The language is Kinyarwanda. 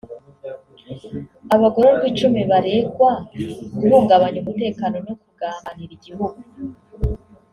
Abagororwa icumi baregwa guhungabanya umutekano no kugambanira igihugu